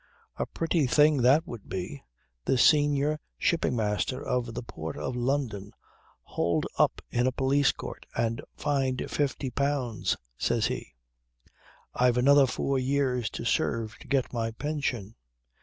"A pretty thing that would be: the Senior Shipping Master of the Port of London hauled up in a police court and fined fifty pounds," says he. "I've another four years to serve to get my pension.